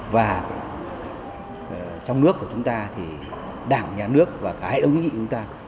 và trong nước của chúng ta đảng nhà nước và cả hệ đồng chính trị chúng ta